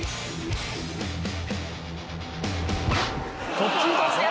そっち？